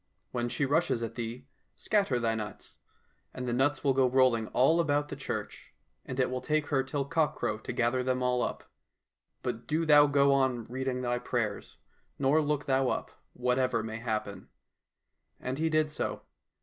When she rushes at thee, scatter thy nuts, and the nuts will go rolling all about the church, and it will take her till cockcrow to gather them all up. But do thou go on reading thy prayers, nor look thou up, whatever may happen." And he did so.